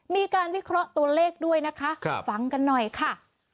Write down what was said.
มีการวิเคราะห์ตัวเลขด้วยนะคะฟังกันหน่อยค่ะ